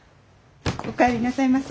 お帰りなさいませ。